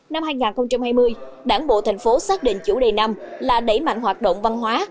năm hai nghìn hai mươi đảng bộ thành phố xác định chủ đề năm là đẩy mạnh hoạt động văn hóa